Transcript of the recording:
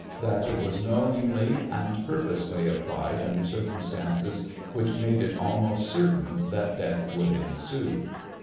That it was knowingly and purposely applied under circumstances which made it almost certain that death would ensue.